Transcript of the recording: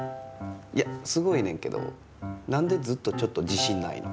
いやすごいねんけどなんでずっとちょっと自しんないの？